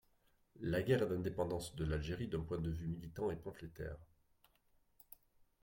La Guerre d'indépendance de l'Algérie d'un point de vue militant et pamphlétaire.